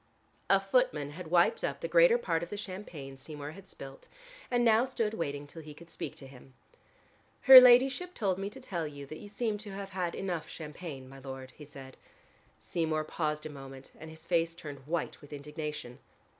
A footman had wiped up the greater part of the champagne Seymour had spilt and now stood waiting till he could speak to him. "Her ladyship told me to tell you that you seemed to have had enough champagne, my lord," he said. Seymour paused for a moment, and his face turned white with indignation.